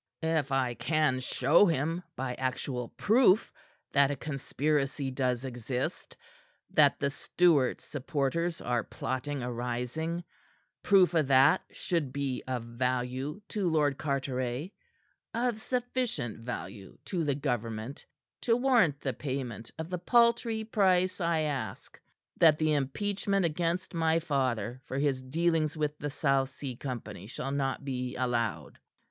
"If I can show him by actual proof that a conspiracy does exist, that the Stuart supporters are plotting a rising. Proof of that should be of value to Lord Carteret, of sufficient value to the government to warrant the payment of the paltry price I ask that the impeachment against my father for his dealings with the South Sea Company shall not be allowed.